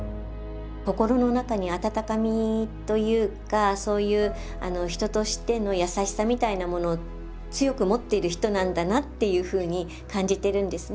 心の中に温かみというかそういう人としての優しさみたいなものを強く持っている人なんだなっていうふうに感じてるんですね。